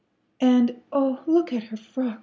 "And, oh, look at her frock!"